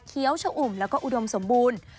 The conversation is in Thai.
ชะอุ่มแล้วก็อุดมสมบูรณ์